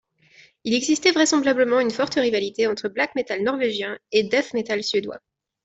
Il existait vraisemblablement une forte rivalité entre black metal norvégien et death metal suédois.